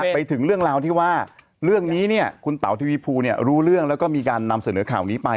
ไปถึงเรื่องราวที่ว่าเรื่องนี้คุณเต๋าทีวีภูรู้เรื่องแล้วก็มีการนำเสนอข่าวนี้ไป